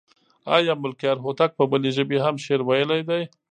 آیا ملکیار هوتک په بلې ژبې هم شعر ویلی دی؟